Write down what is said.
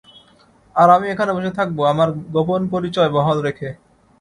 আর আমি এখানে বসে থাকব, আমার গোপন পরিচয় বহাল রেখে।